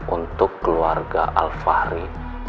untuk keluarga alfahri